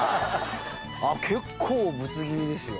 結構ぶつ切りですよ。